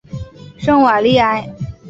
圣瓦利埃。